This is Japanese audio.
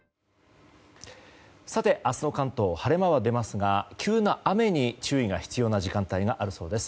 明日の関東晴れ間は出ますが急な雨に注意が必要な時間帯があるそうです。